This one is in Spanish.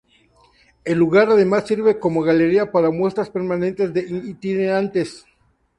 El lugar, además, sirve como galería para muestras permanentes e itinerantes.